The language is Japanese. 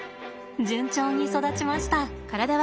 順調に育ちました。